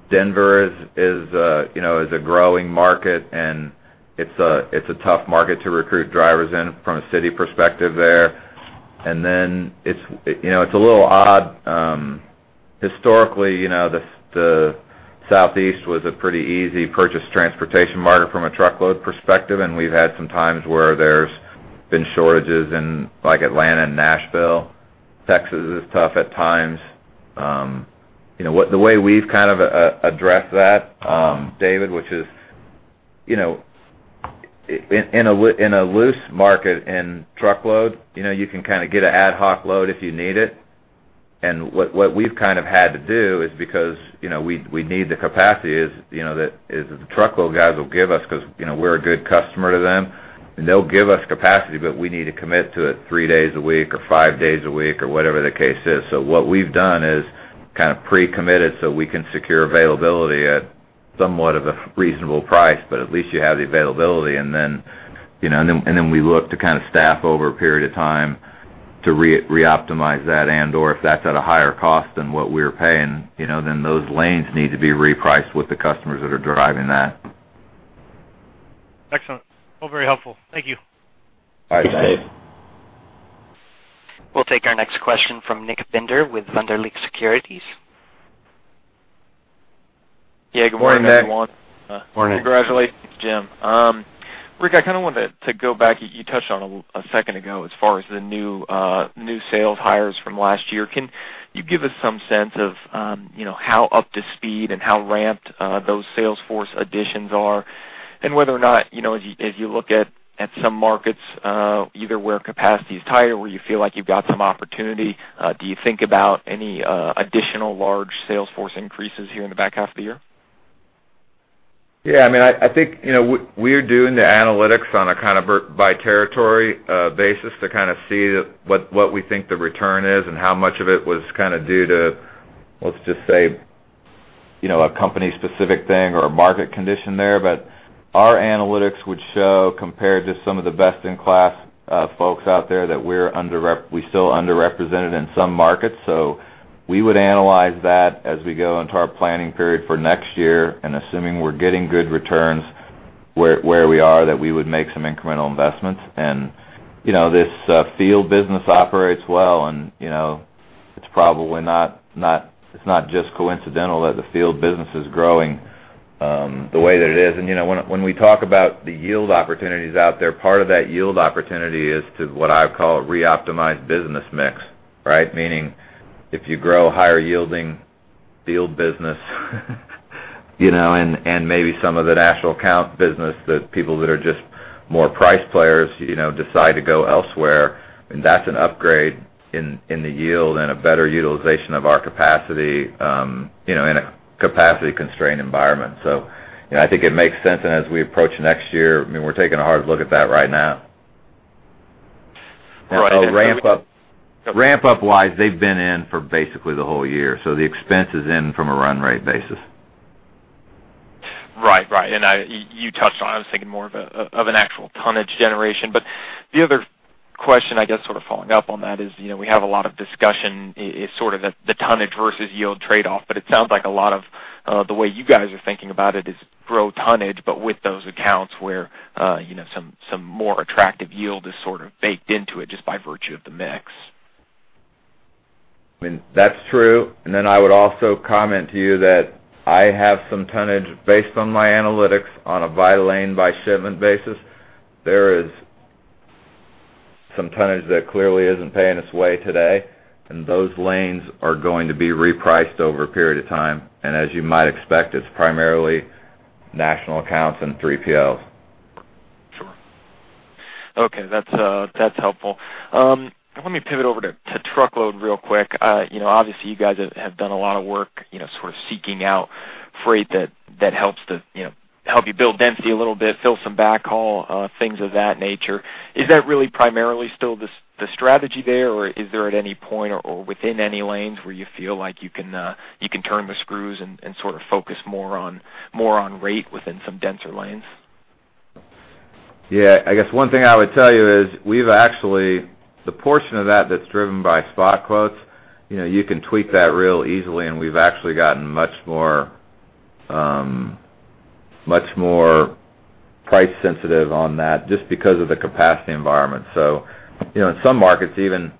Denver is a growing market, and it's a tough market to recruit drivers in from a city perspective there. And then it's a little odd, historically, you know, the Southeast was a pretty easy purchase transportation market from a truckload perspective, and we've had some times where there's been shortages in, like, Atlanta and Nashville. Texas is tough at times. You know what? The way we've kind of addressed that, David, which is, you know, in a loose market in truckload, you know, you can kind of get an ad hoc load if you need it. And what we've kind of had to do is because, you know, we need the capacity is, you know, that is, the truckload guys will give us because, you know, we're a good customer to them. And they'll give us capacity, but we need to commit to it three days a week or five days a week, or whatever the case is. So what we've done is kind of pre-committed, so we can secure availability at somewhat of a reasonable price, but at least you have the availability. And then, you know, we look to kind of staff over a period of time to reoptimize that and/or if that's at a higher cost than what we're paying, you know, then those lanes need to be repriced with the customers that are driving that. Excellent. Well, very helpful. Thank you. All right, Dave. We'll take our next question from Nick Bender with Wunderlich Securities. Yeah, good morning, everyone. Morning. Nick. Morning. Congratulations, Jim. Rick, I kind of wanted to go back, you touched on a second ago as far as the new sales hires from last year. Can you give us some sense of, you know, how up to speed and how ramped those sales force additions are? And whether or not, you know, as you look at some markets, either where capacity is higher or where you feel like you've got some opportunity, do you think about any additional large sales force increases here in the back half of the year? Yeah, I mean, I think, you know, we, we're doing the analytics on a kind of by territory basis to kind of see what, what we think the return is and how much of it was kind of due to, let's just say, you know, a company-specific thing or a market condition there. But our analytics would show, compared to some of the best-in-class folks out there, that we're still underrepresented in some markets. So we would analyze that as we go into our planning period for next year, and assuming we're getting good returns where we are, that we would make some incremental investments. And, you know, this field business operates well, and, you know, it's probably not. It's not just coincidental that the field business is growing. The way that it is, and, you know, when we talk about the yield opportunities out there, part of that yield opportunity is to what I call reoptimized business mix, right? Meaning if you grow higher yielding field business, you know, and maybe some of the national account business, the people that are just more price players, you know, decide to go elsewhere, and that's an upgrade in the yield and a better utilization of our capacity, you know, in a capacity-constrained environment. So, you know, I think it makes sense. And as we approach next year, I mean, we're taking a hard look at that right now. Now, ramp-up wise, they've been in for basically the whole year, so the expense is in from a run rate basis. Right. Right. You touched on, I was thinking more of an actual tonnage generation. But the other question, I guess, sort of following up on that is, you know, we have a lot of discussion in sort of the tonnage versus yield trade-off, but it sounds like a lot of the way you guys are thinking about it is grow tonnage, but with those accounts where, you know, some more attractive yield is sort of baked into it just by virtue of the mix. I mean, that's true. Then I would also comment to you that I have some tonnage based on my analytics on a by-lane, by-shipment basis. There is some tonnage that clearly isn't paying its way today, and those lanes are going to be repriced over a period of time, and as you might expect, it's primarily national accounts and 3PLs. Sure. Okay, that's, that's helpful. Let me pivot over to truckload real quick. You know, obviously, you guys have done a lot of work, you know, sort of seeking out freight that helps to, you know, help you build density a little bit, fill some backhaul, things of that nature. Is that really primarily still the strategy there, or is there at any point or within any lanes where you feel like you can turn the screws and sort of focus more on more on rate within some denser lanes? Yeah, I guess one thing I would tell you is we've actually... The portion of that that's driven by spot quotes, you know, you can tweak that real easily, and we've actually gotten much more, much more price sensitive on that, just because of the capacity environment. So, you know, in some markets, even,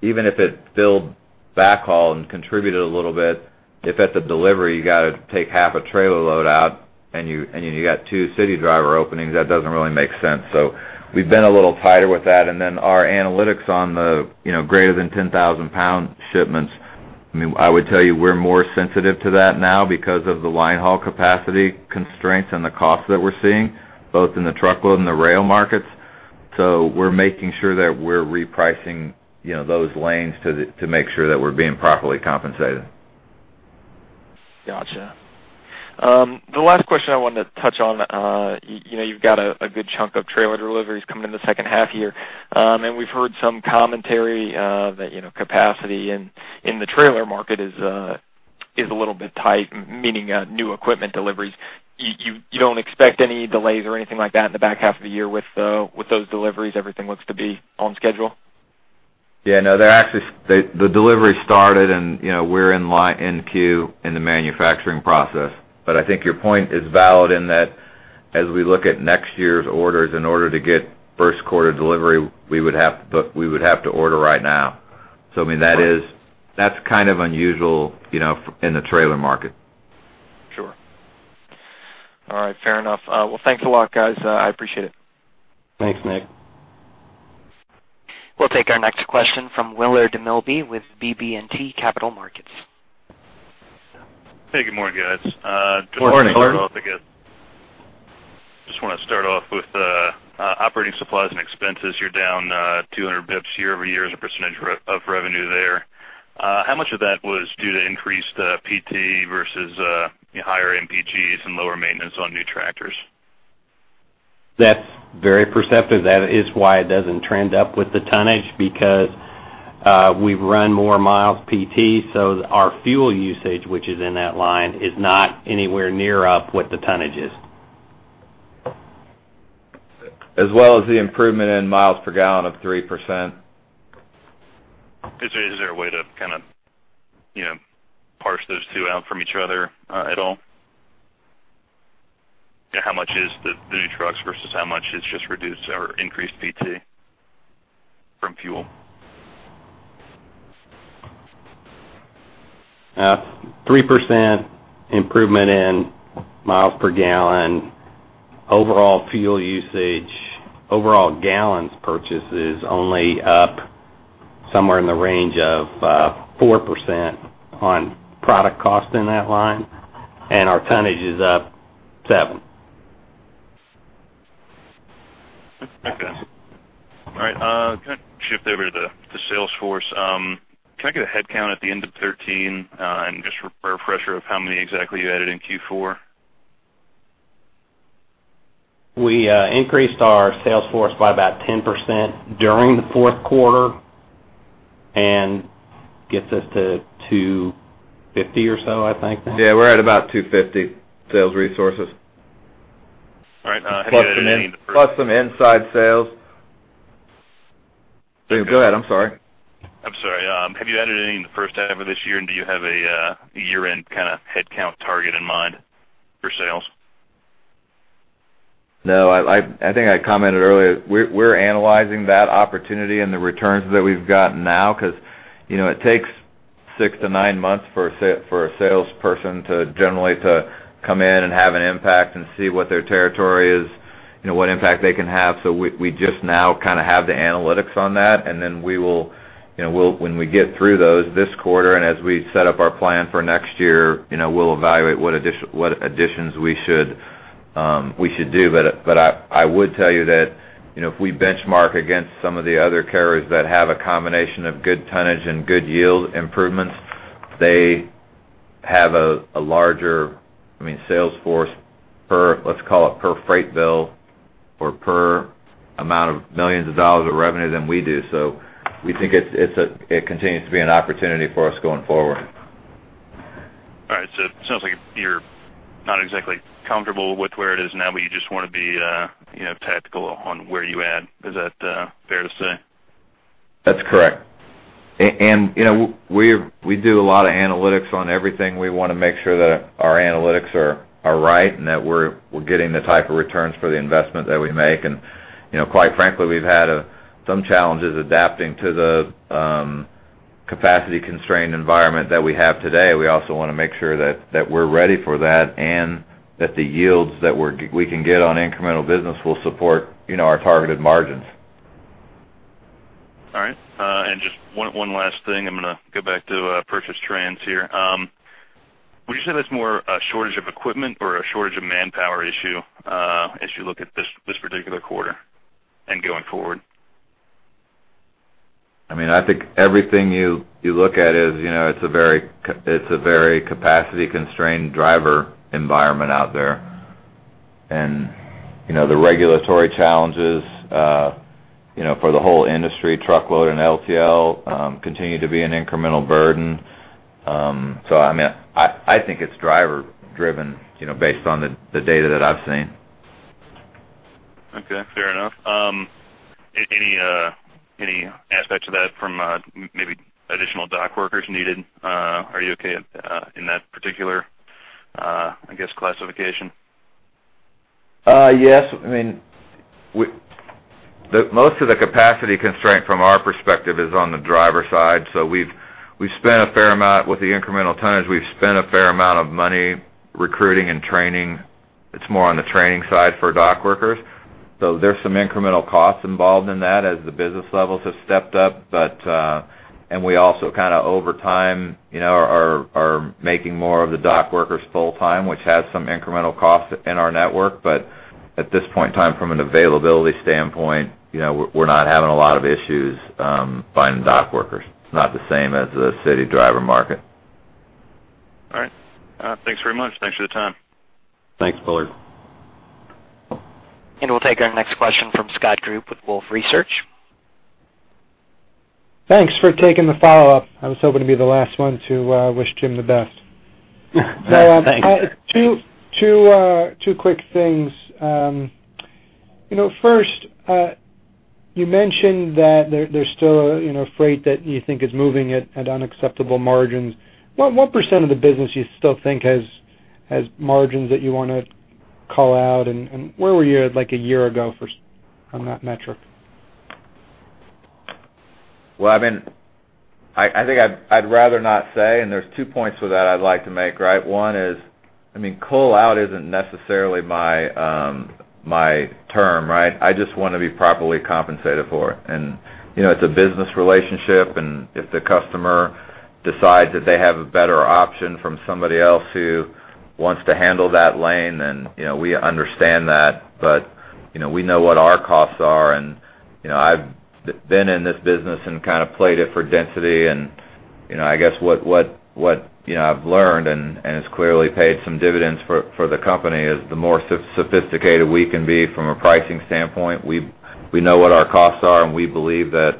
even if it filled backhaul and contributed a little bit, if at the delivery, you got to take half a trailer load out and you, and you got two city driver openings, that doesn't really make sense. So we've been a little tighter with that. And then our analytics on the, you know, greater than 10,000 pound shipments, I mean, I would tell you, we're more sensitive to that now because of the line haul capacity constraints and the costs that we're seeing, both in the truckload and the rail markets. So we're making sure that we're repricing, you know, those lanes to make sure that we're being properly compensated. Gotcha. The last question I wanted to touch on, you know, you've got a good chunk of trailer deliveries coming in the second half year. And we've heard some commentary that, you know, capacity in the trailer market is a little bit tight, meaning new equipment deliveries. You don't expect any delays or anything like that in the back half of the year with those deliveries, everything looks to be on schedule? Yeah, no, they're actually, the delivery started and, you know, we're in line in queue in the manufacturing process. But I think your point is valid in that as we look at next year's orders, in order to get first quarter delivery, we would have to, we would have to order right now. So, I mean, that is, that's kind of unusual, you know, in the trailer market. Sure. All right. Fair enough. Well, thanks a lot, guys. I appreciate it. Thanks, Nick. We'll take our next question from Willard Milby with BB&T Capital Markets. Hey, good morning, guys. Good morning. Just want to start off with operating supplies and expenses. You're down 200 basis points year-over-year as a percentage of revenue there. How much of that was due to increased PT versus higher MPGs and lower maintenance on new tractors? That's very perceptive. That is why it doesn't trend up with the tonnage, because, we've run more miles PT, so our fuel usage, which is in that line, is not anywhere near up what the tonnage is. As well as the improvement in miles per gallon of 3%. Is there, is there a way to kind of, you know, parse those two out from each other, at all? How much is the, the new trucks versus how much is just reduced or increased PT from fuel? 3% improvement in miles per gallon. Overall fuel usage, overall gallons purchases only up somewhere in the range of 4% on product cost in that line, and our tonnage is up 7%. Okay. All right, can I shift over to the sales force? Can I get a headcount at the end of thirteen, and just for a refresher of how many exactly you added in Q4? We increased our sales force by about 10% during the fourth quarter, and gets us to 250 or so, I think now. Yeah, we're at about 250 sales resources. All right. Plus some plus some inside sales. Go ahead, I'm sorry. I'm sorry. Have you added any in the first half of this year, and do you have a, a year-end kind of headcount target in mind for sales? No, I think I commented earlier, we're analyzing that opportunity and the returns that we've gotten now, because, you know, it takes 6-9 months for a salesperson to generally come in and have an impact and see what their territory is, you know, what impact they can have. So we just now kind of have the analytics on that, and then we will, you know, we'll when we get through those this quarter, and as we set up our plan for next year, you know, we'll evaluate what addition, what additions we should, we should do. But I would tell you that, you know, if we benchmark against some of the other carriers that have a combination of good tonnage and good yield improvements, they have a larger, I mean, sales force per, let's call it, per freight bill or per amount of millions of dollars of revenue than we do. So we think it continues to be an opportunity for us going forward. All right. So it sounds like you're not exactly comfortable with where it is now, but you just want to be, you know, tactical on where you add. Is that fair to say? That's correct. And, you know, we do a lot of analytics on everything. We want to make sure that our analytics are right, and that we're getting the type of returns for the investment that we make. And, you know, quite frankly, we've had some challenges adapting to the capacity-constrained environment that we have today. We also want to make sure that we're ready for that and that the yields that we can get on incremental business will support, you know, our targeted margins. All right. Just one, one last thing. I'm going to go back to purchase trends here. Would you say that's more a shortage of equipment or a shortage of manpower issue, as you look at this, this particular quarter and going forward? I mean, I think everything you look at is, you know, it's a very capacity-constrained driver environment out there. And, you know, the regulatory challenges, you know, for the whole industry, truckload and LTL, continue to be an incremental burden. So I mean, I think it's driver driven, you know, based on the data that I've seen. Okay, fair enough. Any aspects of that from maybe additional dock workers needed? Are you okay in that particular, I guess, classification? Yes. I mean, the most of the capacity constraint from our perspective is on the driver side. So we've spent a fair amount with the incremental tonnage. We've spent a fair amount of money recruiting and training. It's more on the training side for dock workers. So there's some incremental costs involved in that as the business levels have stepped up. But and we also kind of, over time, you know, are making more of the dock workers full-time, which has some incremental costs in our network. But at this point in time, from an availability standpoint, you know, we're not having a lot of issues finding dock workers. It's not the same as the city driver market. All right. Thanks very much. Thanks for the time. Thanks, Willard. We'll take our next question from Scott Group with Wolfe Research. Thanks for taking the follow-up. I was hoping to be the last one to wish Jim the best. Thanks. Two quick things. You know, first, you mentioned that there's still, you know, freight that you think is moving at unacceptable margins. What % of the business do you still think has margins that you want to call out, and where were you at, like, a year ago on that metric? Well, I mean, I think I'd rather not say, and there's two points to that I'd like to make, right? One is, I mean, call out isn't necessarily my, my term, right? I just want to be properly compensated for it. And, you know, it's a business relationship, and if the customer decides that they have a better option from somebody else who wants to handle that lane, then, you know, we understand that. You know, we know what our costs are, and you know, I've been in this business and kind of played it for density, and you know, I guess what I've learned, and it's clearly paid some dividends for the company, is the more sophisticated we can be from a pricing standpoint. We know what our costs are, and we believe that,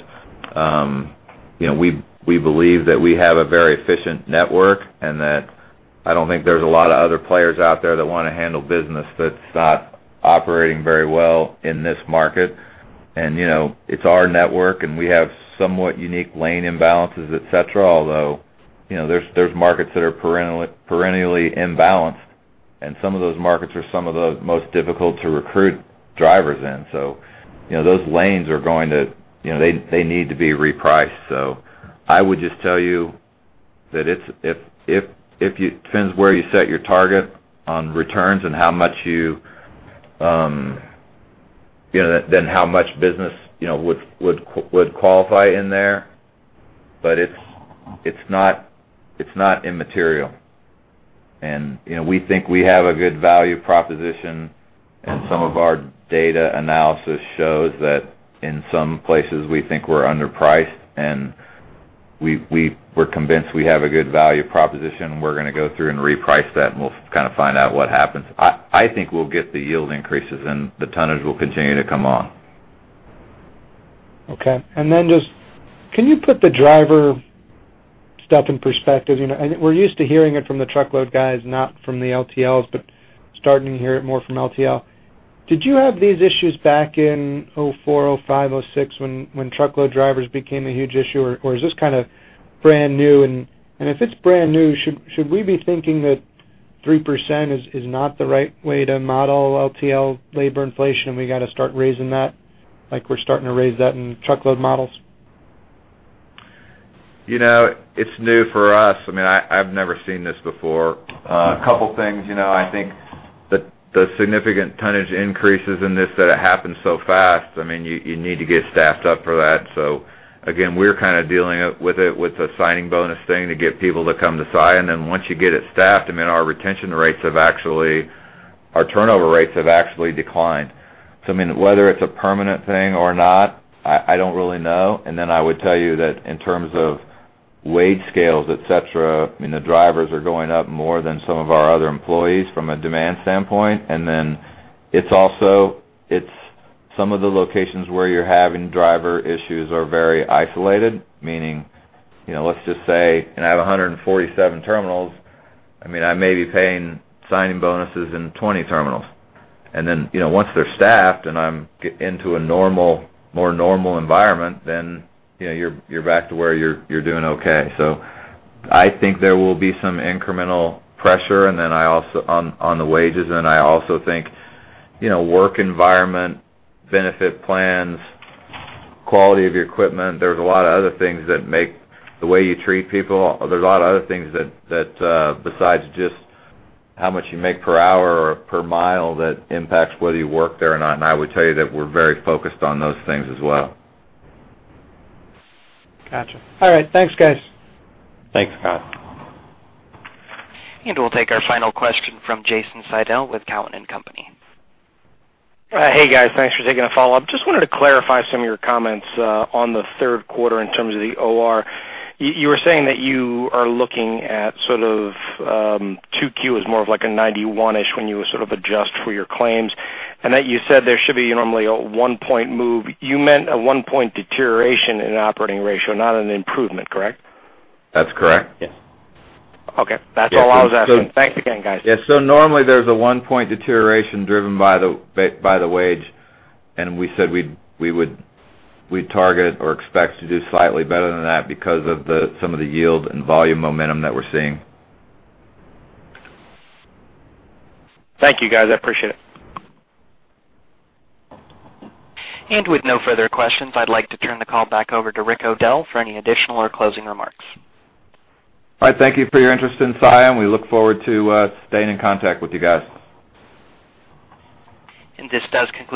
you know, we believe that we have a very efficient network and that I don't think there's a lot of other players out there that want to handle business that's not operating very well in this market. And you know, it's our network, and we have somewhat unique lane imbalances, et cetera, although you know, there's markets that are perennially imbalanced, and some of those markets are some of the most difficult to recruit drivers in. So, you know, those lanes are going to. You know, they, they need to be repriced. So I would just tell you that it's, if, if, if you, depends where you set your target on returns and how much you, you know, then how much business, you know, would, would, would qualify in there. But it's, it's not, it's not immaterial. And, you know, we think we have a good value proposition, and some of our data analysis shows that in some places, we think we're underpriced, and we, we, we're convinced we have a good value proposition. We're going to go through and reprice that, and we'll kind of find out what happens. I, I think we'll get the yield increases, and the tonnage will continue to come on. Okay. And then just, can you put the driver stuff in perspective? You know, and we're used to hearing it from the truckload guys, not from the LTLs, but starting to hear it more from LTL. Did you have these issues back in 2004, 2005, 2006, when truckload drivers became a huge issue, or is this kind of brand new, and if it's brand new, should we be thinking that 3% is not the right way to model LTL labor inflation, and we gotta start raising that, like we're starting to raise that in truckload models? You know, it's new for us. I mean, I, I've never seen this before. A couple things, you know, I think the significant tonnage increases in this, that it happened so fast, I mean, you need to get staffed up for that. So again, we're kind of dealing with it with a signing bonus thing to get people to come to Saia. And then once you get it staffed, I mean, our retention rates have actually... Our turnover rates have actually declined. So I mean, whether it's a permanent thing or not, I, I don't really know. And then I would tell you that in terms of wage scales, et cetera, I mean, the drivers are going up more than some of our other employees from a demand standpoint. And then it's also, it's some of the locations where you're having driver issues are very isolated, meaning, you know, let's just say, and I have 147 terminals, I mean, I may be paying signing bonuses in 20 terminals. And then, you know, once they're staffed and I'm get into a normal, more normal environment, then, you know, you're back to where you're doing okay. So I think there will be some incremental pressure, and then I also on the wages, and I also think, you know, work environment, benefit plans, quality of your equipment. There's a lot of other things that make the way you treat people. There's a lot of other things that besides just how much you make per hour or per mile that impacts whether you work there or not. I would tell you that we're very focused on those things as well. Gotcha. All right, thanks, guys. Thanks, Scott. We'll take our final question from Jason Seidl with Cowen and Company. Hey, guys. Thanks for taking the follow-up. Just wanted to clarify some of your comments on the third quarter in terms of the OR. You were saying that you are looking at sort of 2Q as more of like a 91-ish, when you sort of adjust for your claims, and that you said there should be normally a 1-point move. You meant a 1-point deterioration in operating ratio, not an improvement, correct? That's correct. Yes. Okay. That's all I was asking. So- Thanks again, guys. Yeah, so normally there's a 1-point deterioration driven by the wage, and we said we'd target or expect to do slightly better than that because of some of the yield and volume momentum that we're seeing. Thank you, guys. I appreciate it. And with no further questions, I'd like to turn the call back over to Rick O'Dell for any additional or closing remarks. All right. Thank you for your interest in Saia, and we look forward to staying in contact with you guys. And this does conclude-